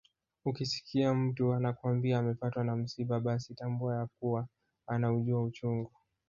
Ukisikia mtu anakwambia amepatwa na msiba basi tambua ya kuwa anaujua uchungu